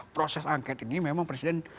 proses angket ini memang presiden